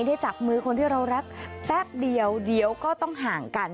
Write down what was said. ได้จับมือคนที่เรารักแป๊บเดียวเดี๋ยวก็ต้องห่างกัน